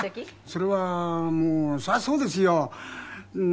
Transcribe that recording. それはそりゃそうですよ。